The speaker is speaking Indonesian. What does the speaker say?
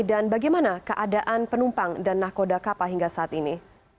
dan bagaimana keadaan penumpang dan nakoda kapal hingga saat ini